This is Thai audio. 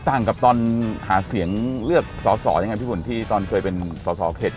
ต่างกับตอนหาเสียงเลือกสอสอยังไงพี่ฝนที่ตอนเคยเป็นสอสอเขต